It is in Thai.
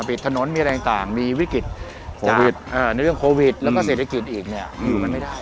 ถนนมีอะไรต่างมีวิกฤตโควิดในเรื่องโควิดแล้วก็เศรษฐกิจอีกเนี่ยอยู่มันไม่ได้